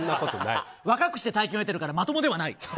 若くして大金を得ているからまともではない。